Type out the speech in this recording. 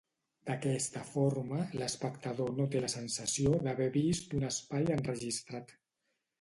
D'aquesta forma, l'espectador no té la sensació d'haver vist un espai enregistrat.